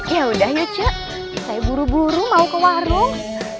ya udah ya cak saya buru buru mau ke warung